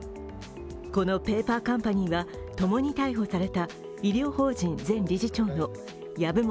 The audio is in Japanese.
このペーパーカンパニーは共に逮捕された医療法人前理事長の籔本